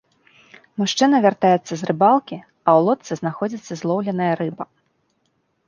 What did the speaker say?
Мужчына вяртаецца з рыбалкі, а ў лодцы знаходзіцца злоўленая рыба.